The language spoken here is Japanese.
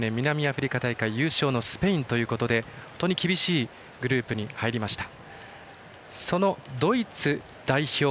そして、２０１０年南アフリカ大会優勝のスペインということで本当に厳しいグループに入りました。